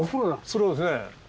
そうですねあれ。